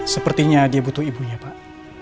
sepertinya dia butuh ibunya pak